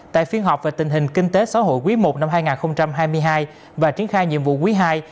tại phiên họp về tình hình kinh tế xã hội quý i năm hai nghìn hai mươi hai và triển khai nhiệm vụ quý ii